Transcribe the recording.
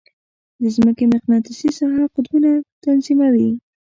د مځکې مقناطیسي ساحه قطبونه تنظیموي.